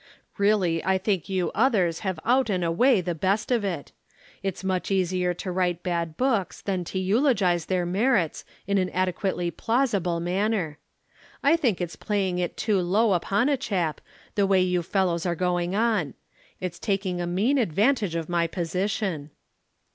Really I think you others have out and away the best of it. It's much easier to write bad books than to eulogize their merits in an adequately plausible manner. I think it's playing it too low upon a chap, the way you fellows are going on. It's taking a mean advantage of my position."